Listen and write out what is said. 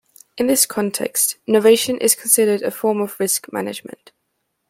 In this context, novation is considered a form of risk management.